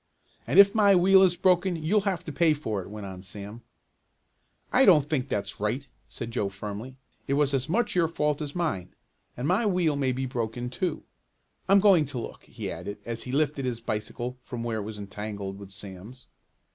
"And if my wheel is broken you'll have to pay for it," went on Sam. "I don't think that's right," said Joe firmly. "It was as much your fault as mine, and my wheel may be broken too. I'm going to look," he added as he lifted his bicycle from where it was entangled with Sam's.